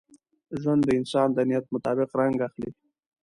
ژوند د انسان د نیت مطابق رنګ اخلي.